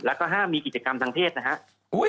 แล้วก็ห้ามมีกิจกรรมทางเพศนะครับ